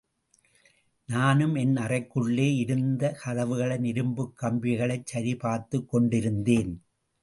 நானும் என் அறைக்குள்ளே இருந்து கதவுகளின் இரும்புக் கம்பிகளைச்சரிபார்த்துக் கொண்டிருந்தேன்.